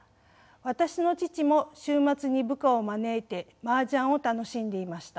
私の父も週末に部下を招いてマージャンを楽しんでいました。